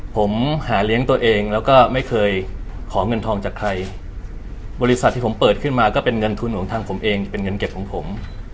ผมหาเลี้ยงตัวเองแล้วก็ไม่เคยขอเงินทองจากใครบริษัทที่ผมเปิดขึ้นมาก็เป็นเงินทุนของทางผมเองเป็นเงินเก็บของผม